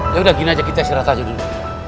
ya udah gini aja kita istirahat aja dulu